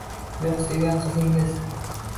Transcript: — Yoʼq, sevgan qizingiz?..